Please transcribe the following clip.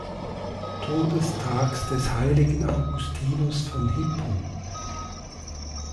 Todestags des Heiligen Augustinus von Hippo“.